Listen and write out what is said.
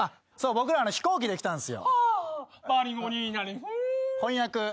僕ら飛行機で来たんすよ。